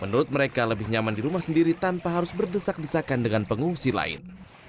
menurut mereka lebih nyaman di rumah sendiri tanpa harus berdesak desakan dengan pengungsi lain